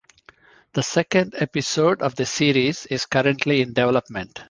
The second episode of the series is currently in development.